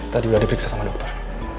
tadi sudah diperiksa sama dokter